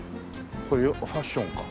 これファッションか。